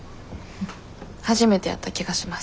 初めてやった気がします。